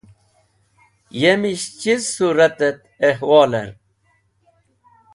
Yemish chiz sũrat et ahwoler.